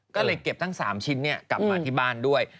ก็เลยเก็บทั้ง๓ชิ้นกลับมาที่บ้านด้วย